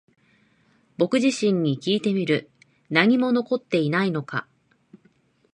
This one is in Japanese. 僕自身にきいてみる。何も残っていないのか？